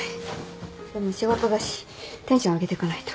でも仕事だしテンション上げてかないと。